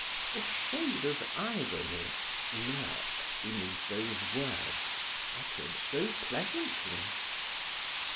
A shade of irony lurked beneath those words, uttered so pleasantly.